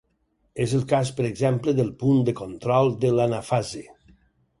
És el cas per exemple del punt de control de l'anafase.